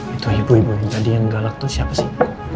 itu ibu ibu tadi yang galak itu siapa sih